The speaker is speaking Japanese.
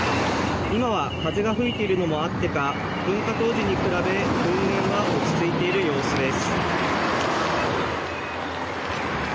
今は風が吹いているのもあってか噴火当時にくらべ噴煙は落ち着いている様子です。